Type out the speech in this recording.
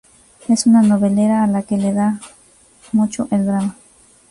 Es una novelera a la que le va mucho el drama